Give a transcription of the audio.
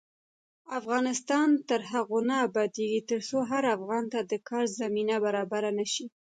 افغانستان تر هغو نه ابادیږي، ترڅو هر افغان ته د کار زمینه برابره نشي.